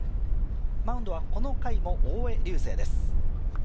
マウンドはこの回も大江竜聖です。